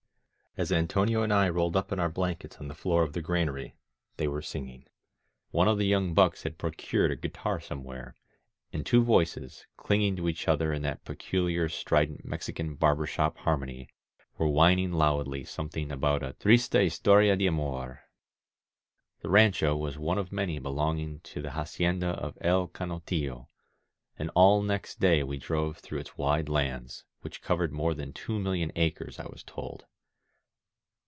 ..." As Antonio and I rolled up in our blankets on the floor of the granary, they were singing. One of the young bucks had procured a guitar somewhere, and two voices, clinging to each other in that peculiar strident Mexican "barber shop" harmony, were whin ing loudly something about a tri8ta historia d^amor.'' The rancho was one of many belonging to the Haci enda of El Canotillo, and all next day we drove through its wide lands, which covered more than two million 19 INSURGENT MEXICO acres, I was told.